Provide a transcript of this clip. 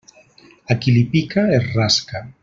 A qui li pica, es rasca.